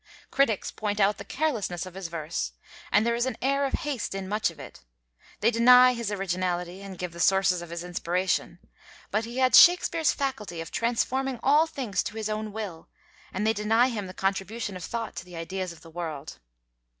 Critics point out the carelessness of his verse, and there is an air of haste in much of it; they deny his originality and give the sources of his inspiration, but he had Shakespeare's faculty of transforming all things to his own will; and they deny him the contribution of thought to the ideas of the world.